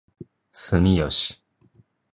住吉